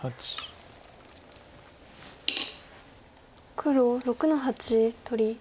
黒６の八取り。